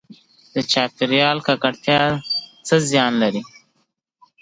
د چاپیریال ککړتیا څه زیان لري؟